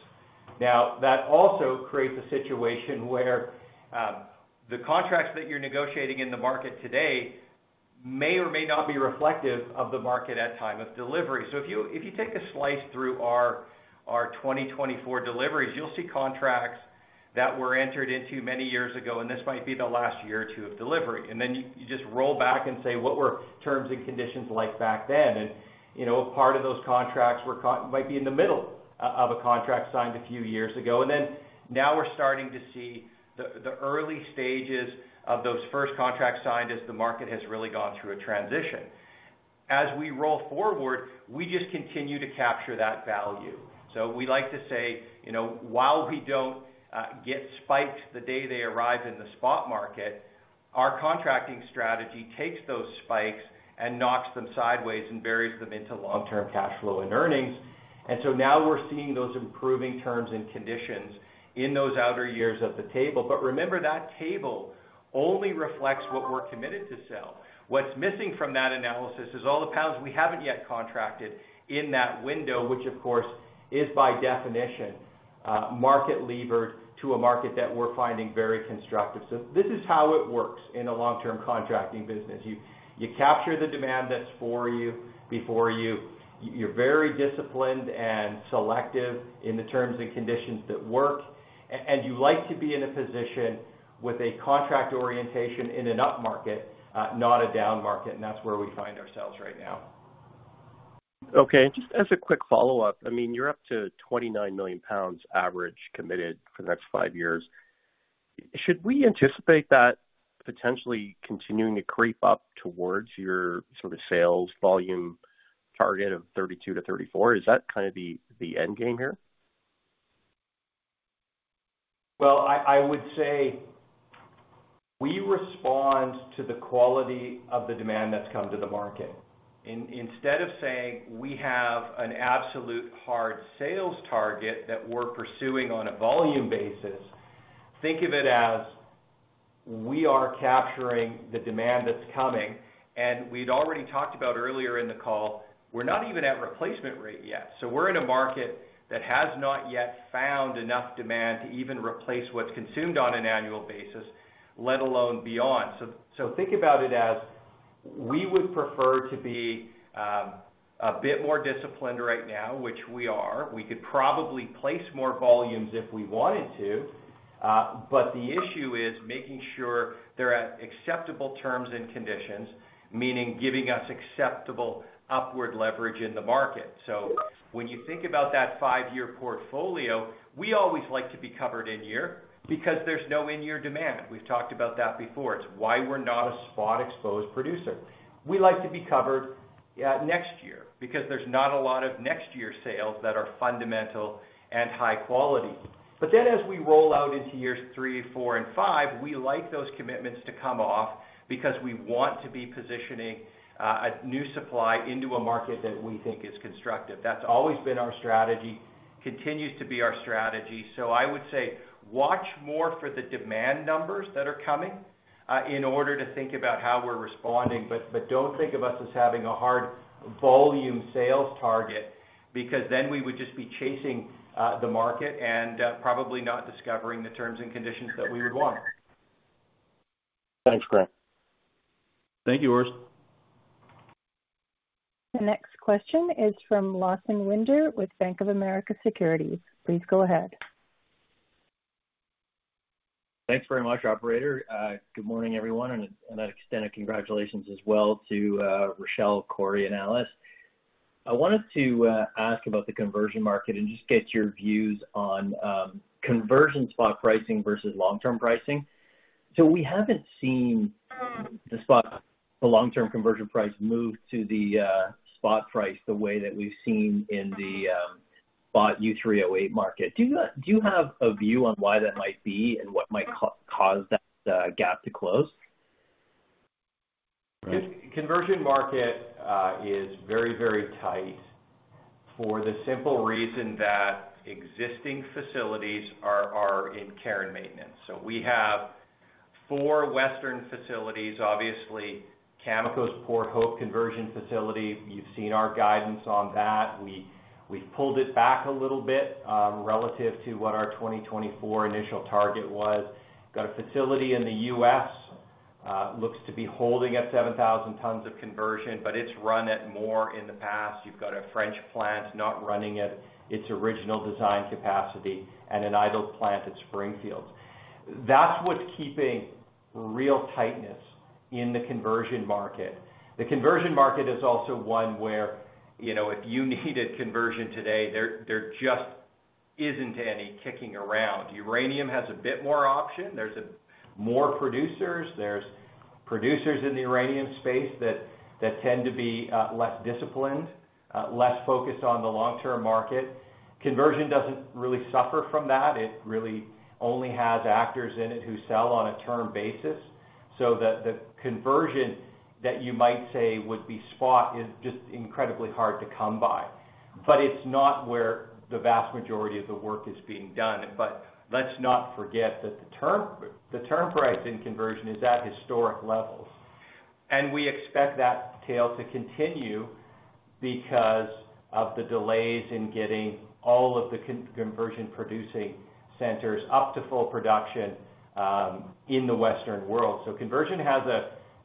Now, that also creates a situation where, the contracts that you're negotiating in the market today may or may not be reflective of the market at time of delivery. So if you, if you take a slice through our, our 2024 deliveries, you'll see contracts that were entered into many years ago, and this might be the last year or two of delivery. And then you, you just roll back and say, what were terms and conditions like back then? You know, part of those contracts might be in the middle of a contract signed a few years ago. Then now we're starting to see the early stages of those first contracts signed as the market has really gone through a transition. As we roll forward, we just continue to capture that value. We like to say, you know, while we don't get spiked the day they arrive in the spot market, our contracting strategy takes those spikes and knocks them sideways and buries them into long-term cash flow and earnings. Now we're seeing those improving terms and conditions in those outer years of the table. But remember, that table only reflects what we're committed to sell. What's missing from that analysis is all the pounds we haven't yet contracted in that window, which, of course, is by definition, market levered to a market that we're finding very constructive. So this is how it works in a long-term contracting business. You capture the demand that's for you, before you. You're very disciplined and selective in the terms and conditions that work, and you like to be in a position with a contract orientation in an upmarket, not a downmarket, and that's where we find ourselves right now. Okay. And just as a quick follow-up, I mean, you're up to 29 million pounds average, committed for the next 5 years. Should we anticipate that potentially continuing to creep up towards your sort of sales volume target of 32-34? Is that kind of the, the end game here? Well, I would say, we respond to the quality of the demand that's come to the market. Instead of saying we have an absolute hard sales target that we're pursuing on a volume basis, think of it as we are capturing the demand that's coming, and we'd already talked about earlier in the call, we're not even at replacement rate yet. So we're in a market that has not yet found enough demand to even replace what's consumed on an annual basis, let alone beyond. So think about it as we would prefer to be a bit more disciplined right now, which we are. We could probably place more volumes if we wanted to, but the issue is making sure they're at acceptable terms and conditions, meaning giving us acceptable upward leverage in the market. So when you think about that five-year portfolio, we always like to be covered in year one, because there's no in-year demand. We've talked about that before. It's why we're not a spot-exposed producer. We like to be covered next year, because there's not a lot of next year sales that are fundamental and high quality. But then as we roll out into years three, four, and five, we like those commitments to come off because we want to be positioning a new supply into a market that we think is constructive. That's always been our strategy, continues to be our strategy. So I would say, watch more for the demand numbers that are coming in order to think about how we're responding. But, but don't think of us as having a hard volume sales target, because then we would just be chasing the market and probably not discovering the terms and conditions that we would want. Thanks, Grant. Thank you, Horace. The next question is from Lawson Winder with Bank of America Securities. Please go ahead. Thanks very much, operator. Good morning, everyone, and I extend a congratulations as well to Rachelle, Cory, and Alice. I wanted to ask about the conversion market and just get your views on conversion spot pricing versus long-term pricing. So we haven't seen the spot, the long-term conversion price move to the spot price, the way that we've seen in the spot U3O8 market. Do you have a view on why that might be and what might cause that gap to close? Conversion market is very, very tight for the simple reason that existing facilities are in care and maintenance. So we have four Western facilities, obviously, Cameco's Port Hope conversion facility. You've seen our guidance on that. We pulled it back a little bit relative to what our 2024 initial target was. Got a facility in the US, looks to be holding at 7,000 tons of conversion, but it's run at more in the past. You've got a French plant not running at its original design capacity and an idle plant at Springfields. That's what's keeping real tightness in the conversion market. The conversion market is also one where, you know, if you needed conversion today, there just isn't any kicking around. Uranium has a bit more option. There's more producers, there's producers in the uranium space that tend to be less disciplined, less focused on the long-term market. Conversion doesn't really suffer from that. It really only has actors in it who sell on a term basis. So the conversion that you might say would be spot is just incredibly hard to come by. But it's not where the vast majority of the work is being done. But let's not forget that the term price in conversion is at historic levels, and we expect that tail to continue because of the delays in getting all of the conversion producing centers up to full production in the Western world. So conversion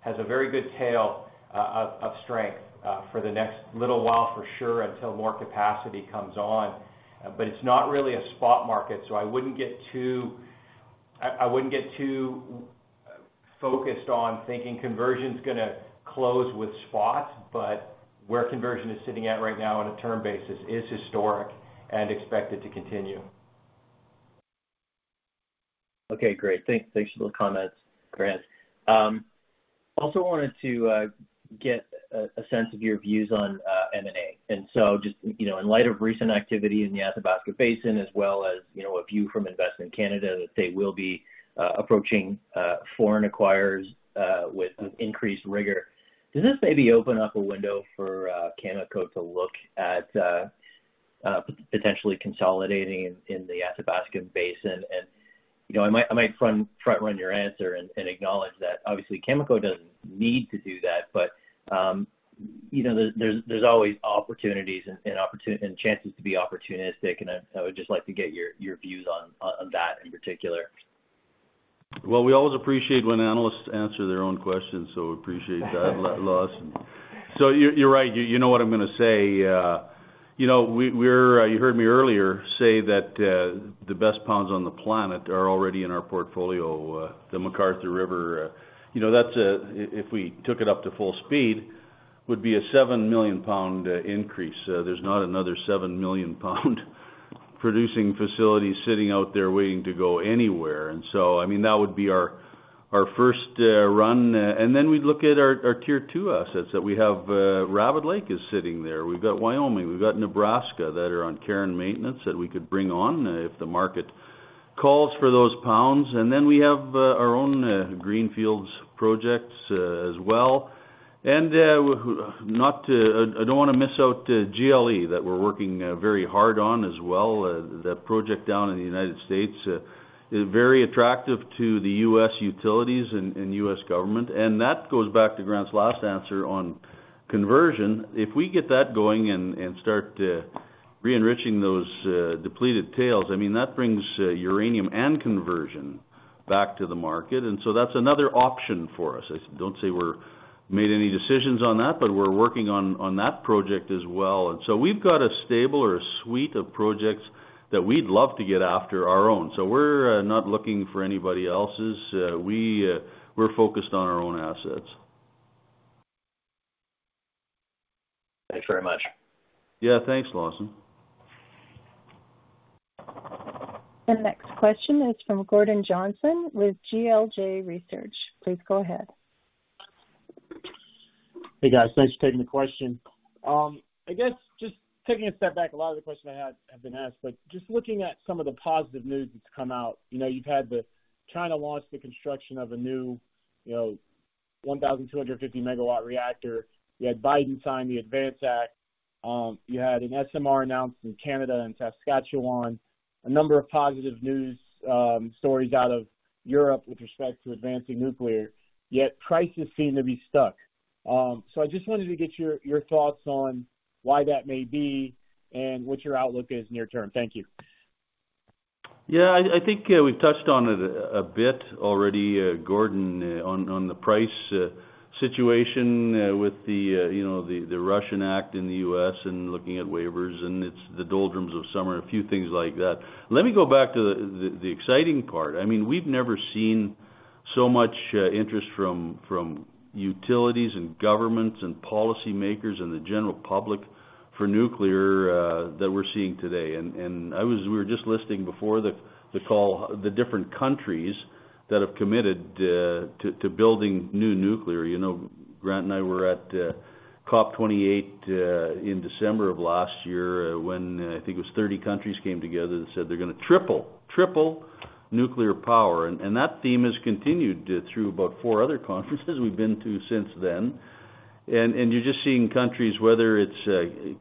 has a very good tail of strength for the next little while, for sure, until more capacity comes on. But it's not really a spot market, so I wouldn't get too focused on thinking conversion's gonna close with spot, but where conversion is sitting at right now on a term basis is historic and expected to continue. Okay, great. Thanks for those comments, Grant. Also wanted to get a sense of your views on M&A. And so just, you know, in light of recent activity in the Athabasca Basin, as well as, you know, a view from Investment Canada, that they will be approaching foreign acquirers with increased rigor. Does this maybe open up a window for Cameco to look at potentially consolidating in the Athabasca Basin? And, you know, I might front-run your answer and acknowledge that obviously, Cameco doesn't need to do that, but, you know, there's always opportunities and chances to be opportunistic, and I would just like to get your views on that in particular. Well, we always appreciate when analysts answer their own questions, so appreciate that, Lawson. So you're, you're right. You, you know what I'm gonna say. You know, we, we're, you heard me earlier say that, the best pounds on the planet are already in our portfolio. The McArthur River, you know, that's, if we took it up to full speed, would be a 7 million pound increase. There's not another 7 million pound producing facility sitting out there waiting to go anywhere. And so, I mean, that would be our, our first, run, and then we'd look at our, our Tier Two assets that we have. Rabbit Lake is sitting there. We've got Wyoming, we've got Nebraska, that are on care and maintenance, that we could bring on, if the market calls for those pounds. And then we have our own greenfield projects as well. I don't want to miss out GLE, that we're working very hard on as well. That project down in the United States is very attractive to the U.S. utilities and U.S. government, and that goes back to Grant's last answer on conversion. If we get that going and start re-enriching those depleted tails, I mean, that brings uranium and conversion back to the market, and so that's another option for us. I don't want to say we've made any decisions on that, but we're working on that project as well. And so we've got a stable or a suite of projects that we'd love to get after our own. So we're not looking for anybody else's. We're focused on our own assets. Thanks very much. Yeah. Thanks, Lawson. The next question is from Gordon Johnson with GLJ Research. Please go ahead. Hey, guys, thanks for taking the question. I guess just taking a step back, a lot of the questions I had have been asked, but just looking at some of the positive news that's come out, you know, you've had the China launch the construction of a new, you know, 1,250-megawatt reactor. You had Biden sign the ADVANCE Act. You had an SMR announced in Canada and Saskatchewan, a number of positive news stories out of Europe with respect to advancing nuclear, yet prices seem to be stuck. So I just wanted to get your, your thoughts on why that may be and what your outlook is near term. Thank you. Yeah, I think we've touched on it a bit already, Gordon, on the price situation with you know the Russian act in the US and looking at waivers, and it's the doldrums of summer, a few things like that. Let me go back to the exciting part. I mean, we've never seen so much interest from utilities and governments and policymakers and the general public for nuclear that we're seeing today. And we were just listing before the call, the different countries that have committed to building new nuclear. You know, Grant and I were at COP28 in December of last year, when I think it was 30 countries came together and said they're gonna triple, triple nuclear power, and that theme has continued through about 4 other conferences we've been to since then. And you're just seeing countries, whether it's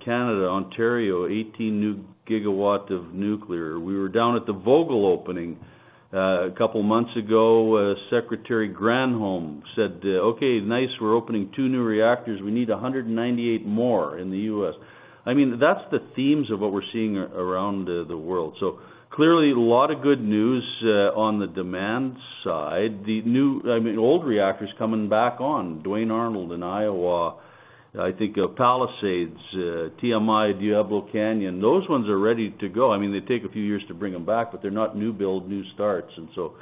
Canada, Ontario, 18 new gigawatt of nuclear. We were down at the Vogtle opening a couple months ago. Secretary Granholm said, "Okay, nice. We're opening 2 new reactors. We need 198 more in the U.S." I mean, that's the themes of what we're seeing around the world. So clearly, a lot of good news on the demand side. The new—I mean, old reactors coming back on. Duane Arnold in Iowa... I think, Palisades, TMI, Diablo Canyon, those ones are ready to go. I mean, they take a few years to bring them back, but they're not new build, new starts, and so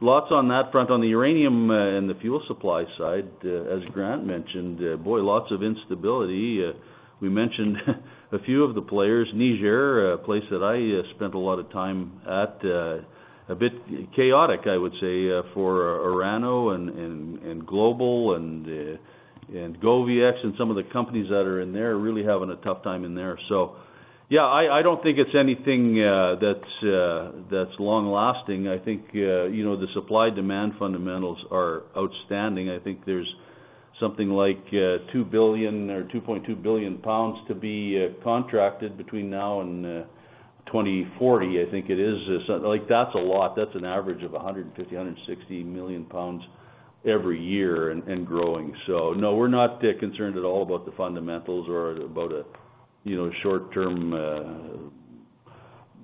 lots on that front. On the uranium, and the fuel supply side, as Grant mentioned, boy, lots of instability. We mentioned a few of the players. Niger, a place that I spent a lot of time at, a bit chaotic, I would say, for Orano and Global and GoviEx and some of the companies that are in there, are really having a tough time in there. So, yeah, I don't think it's anything that's long-lasting. I think, you know, the supply-demand fundamentals are outstanding. I think there's something like, two billion or 2.2 billion pounds to be contracted between now and 2040, I think it is. So, like, that's a lot. That's an average of 150, 160 million pounds every year and, and growing. So no, we're not concerned at all about the fundamentals or about a, you know, short-term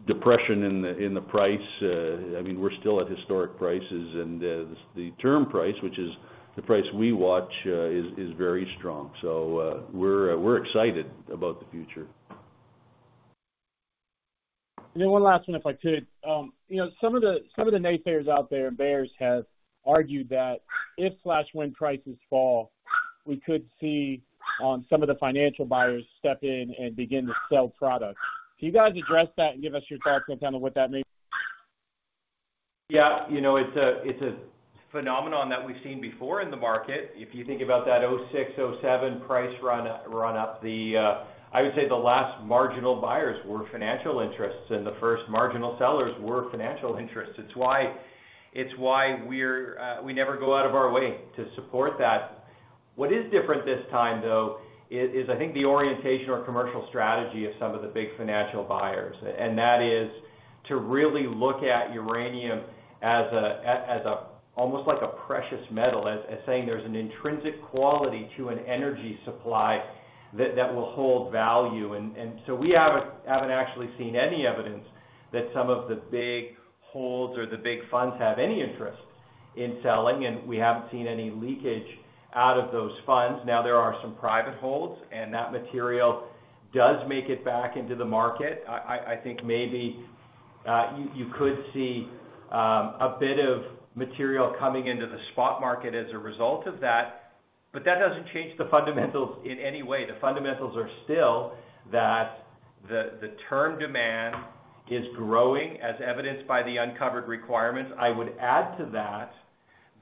depression in the, in the price. I mean, we're still at historic prices, and, the term price, which is the price we watch, is, is very strong. So, we're, we're excited about the future. And then one last one, if I could. You know, some of the naysayers out there and bears have argued that if when prices fall, we could see some of the financial buyers step in and begin to sell product. Can you guys address that and give us your thoughts on kind of what that means? Yeah, you know, it's a, it's a phenomenon that we've seen before in the market. If you think about that 2006, 2007 price run, run up the, I would say the last marginal buyers were financial interests, and the first marginal sellers were financial interests. It's why, it's why we're, we never go out of our way to support that. What is different this time, though, is, is I think the orientation or commercial strategy of some of the big financial buyers, and that is to really look at uranium as a, as, as a- almost like a precious metal, as, as saying there's an intrinsic quality to an energy supply that, that will hold value. So we haven't actually seen any evidence that some of the big holds or the big funds have any interest in selling, and we haven't seen any leakage out of those funds. Now, there are some private holds, and that material does make it back into the market. I think maybe you could see a bit of material coming into the spot market as a result of that, but that doesn't change the fundamentals in any way. The fundamentals are still that the term demand is growing, as evidenced by the uncovered requirements. I would add to that,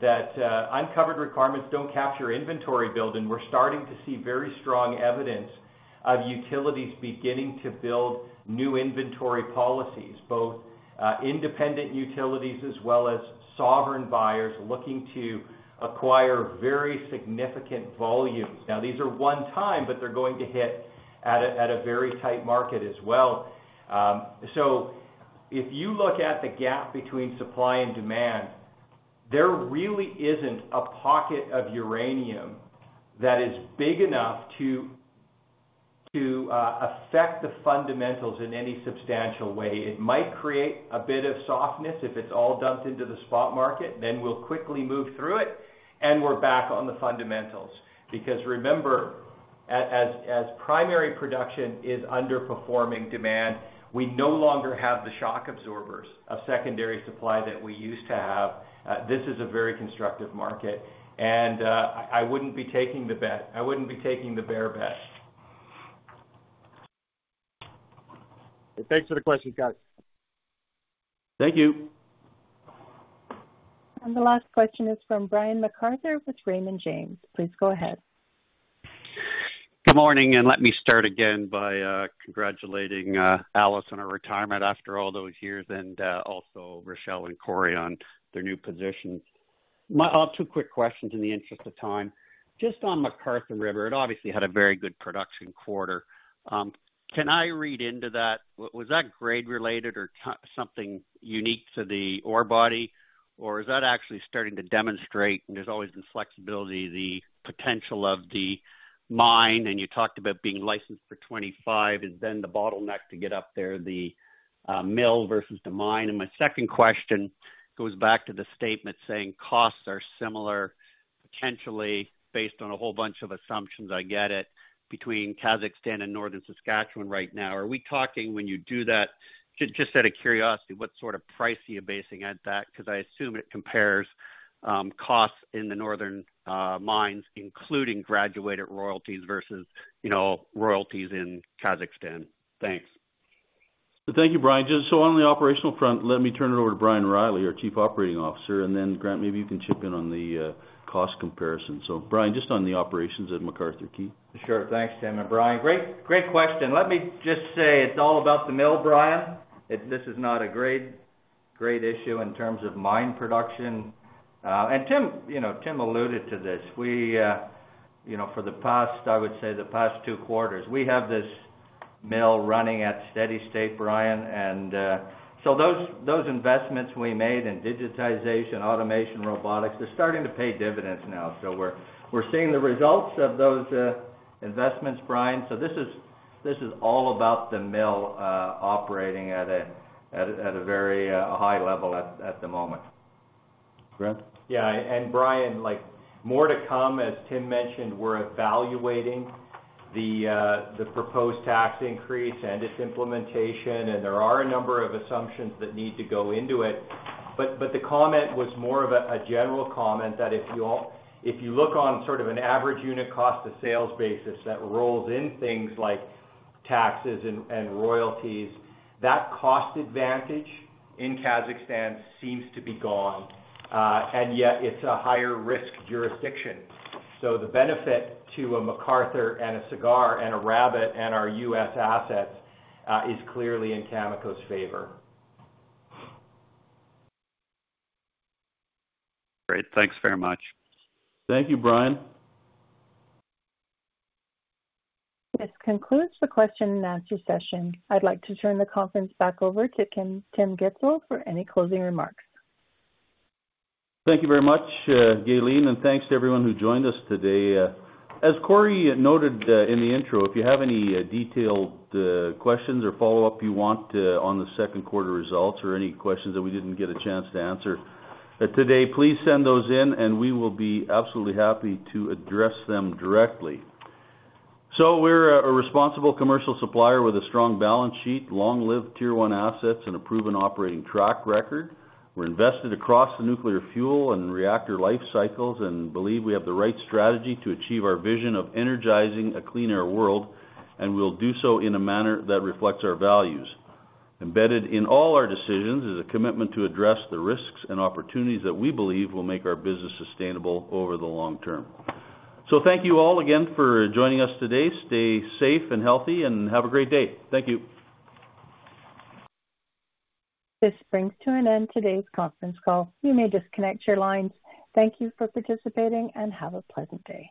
that uncovered requirements don't capture inventory building. We're starting to see very strong evidence of utilities beginning to build new inventory policies, both independent utilities as well as sovereign buyers looking to acquire very significant volumes. Now, these are one time, but they're going to hit at a very tight market as well. So if you look at the gap between supply and demand, there really isn't a pocket of uranium that is big enough to affect the fundamentals in any substantial way. It might create a bit of softness if it's all dumped into the spot market, then we'll quickly move through it, and we're back on the fundamentals. Because remember, as primary production is underperforming demand, we no longer have the shock absorbers of secondary supply that we used to have. This is a very constructive market, and I wouldn't be taking the bet. I wouldn't be taking the bear bet. Thanks for the questions, guys. Thank you. The last question is from Brian MacArthur with Raymond James. Please go ahead. Good morning, and let me start again by congratulating Alice on her retirement after all those years, and also Rachelle and Cory on their new positions. My two quick questions in the interest of time. Just on McArthur River, it obviously had a very good production quarter. Can I read into that? Was that grade-related or something unique to the ore body, or is that actually starting to demonstrate, there's always the flexibility, the potential of the mine, and you talked about being licensed for 25, and then the bottleneck to get up there, the mill versus the mine? And my second question goes back to the statement saying costs are similar, potentially based on a whole bunch of assumptions, I get it, between Kazakhstan and Northern Saskatchewan right now. Are we talking when you do that, just out of curiosity, what sort of price are you basing at that? Because I assume it compares costs in the northern mines, including graduated royalties versus, you know, royalties in Kazakhstan. Thanks. Thank you, Brian. Just so on the operational front, let me turn it over to Brian Reilly, our Chief Operating Officer, and then, Grant, maybe you can chip in on the, cost comparison. So Brian, just on the operations at McArthur River-Key Lake. Sure. Thanks, Tim and Brian. Great, great question. Let me just say, it's all about the mill, Brian. It. This is not a great, great issue in terms of mine production. And Tim, you know, Tim alluded to this. We, you know, for the past, I would say, the past two quarters, we have this mill running at steady state, Brian. And, so those, those investments we made in digitization, automation, robotics, they're starting to pay dividends now. So we're, we're seeing the results of those, investments, Brian. So this is, this is all about the mill, operating at a very high level at the moment. Grant?... Yeah, and Brian, like more to come, as Tim mentioned, we're evaluating the proposed tax increase and its implementation, and there are a number of assumptions that need to go into it. But, but the comment was more of a general comment that if you look on sort of an average unit cost of sales basis, that rolls in things like taxes and royalties, that cost advantage in Kazakhstan seems to be gone, and yet it's a higher risk jurisdiction. So the benefit to a McArthur River and a Cigar Lake and a Rabbit Lake and our US assets is clearly in Cameco's favor. Great. Thanks very much. Thank you, Brian. This concludes the question and answer session. I'd like to turn the conference back over to Tim Gitzel for any closing remarks. Thank you very much, Gaylene, and thanks to everyone who joined us today. As Cory noted, in the intro, if you have any detailed questions or follow-up you want on the second quarter results or any questions that we didn't get a chance to answer today, please send those in, and we will be absolutely happy to address them directly. So we're a responsible commercial supplier with a strong balance sheet, long-lived Tier One assets and a proven operating track record. We're invested across the nuclear fuel and reactor life cycles and believe we have the right strategy to achieve our vision of energizing a cleaner world, and we'll do so in a manner that reflects our values. Embedded in all our decisions is a commitment to address the risks and opportunities that we believe will make our business sustainable over the long term. So thank you all again for joining us today. Stay safe and healthy, and have a great day. Thank you. This brings to an end today's conference call. You may disconnect your lines. Thank you for participating, and have a pleasant day.